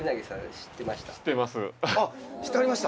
知ってはりました？